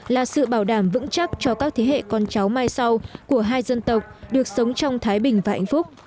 là sự bảo đảm vững chắc cho các thế hệ con cháu mai sau của hai dân tộc được sống trong thái bình và hạnh phúc